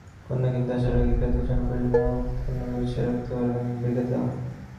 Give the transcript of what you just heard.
পণ্য কিনতে আসার আগেই ক্রেতার জন্য প্রয়োজনীয় পণ্য গুছিয়ে রাখতে পারবেন বিক্রেতা।